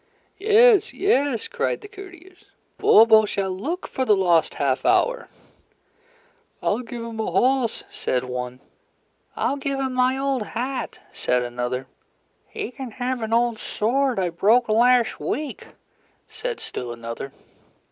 "Yes! Yes!" cried the courtiers. "Bobo shall look for the lost half hour." "I'll give him a horse," said one. "I'll give him my old hat," said another. "He can have an old sword I broke last week," said still another.